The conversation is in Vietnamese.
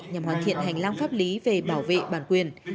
nhằm hoàn thiện hành lang pháp lý về bảo vệ bản quyền